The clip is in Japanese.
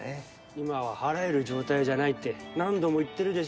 今は払える状態じゃないって何度も言ってるでしょ。